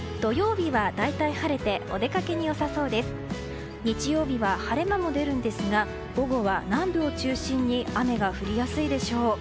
日曜日は晴れ間も出るんですが午後は南部を中心に雨が降りやすいでしょう。